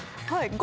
はい。